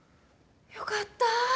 よかった。